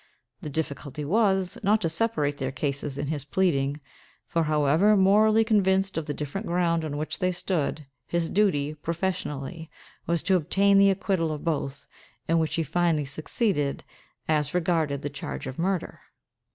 The difficulty was, not to separate their cases in his pleading; for, however morally convinced of the different ground on which they stood, his duty, professionally, was to obtain the acquittal of both, in which he finally succeeded, as regarded the charge of murder.